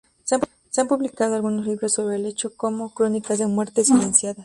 Se han publicado algunos libros sobre el hecho como "Crónica de muertes silenciadas.